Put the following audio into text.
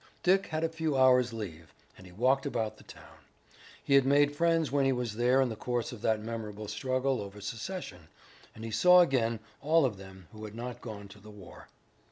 Dick had a few hours' leave and he walked about the town. He had made friends when he was there in the course of that memorable struggle over secession, and he saw again all of them who had not gone to the war.